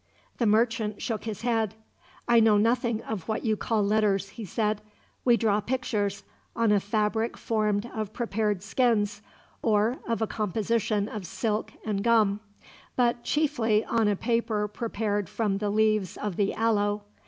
The merchant shook his head. "I know nothing of what you call letters," he said. "We draw pictures, on a fabric formed of prepared skins, or of a composition of silk and gum, but chiefly on a paper prepared from the leaves of the aloe.